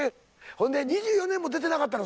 ほんで２４年も出てなかったの？